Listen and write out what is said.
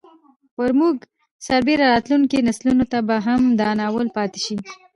پر موږ سربېره راتلونکو نسلونو ته به هم دا ناول پاتې شي.